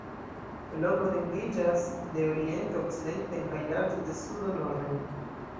Longo etendiĝas de oriento okcidenten kaj larĝo de sudo norden.